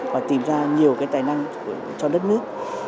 và tìm ra nhiều tài năng cho đất nước